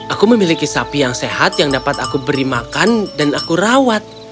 aku memiliki sapi yang sehat yang dapat aku beri makan dan aku rawat